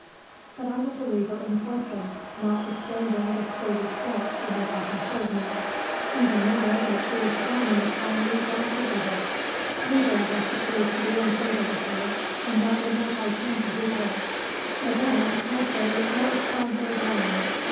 But I'm a believer in Fortune, notwithstanding the scurvy tricks she has often served me even now that she is frowning upon me black as ever. Neither of us appears to be in favour with her, and that will make our chances equal. So then, I say, let us try her again.